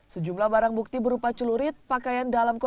sejumlah barang bukti berupa celurit pakaian dalam kondisi